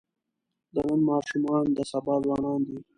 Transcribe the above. د نن ماشومان د سبا ځوانان دي.